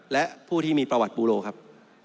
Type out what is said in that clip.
และผู้ที่มีประวัติบูโลครับ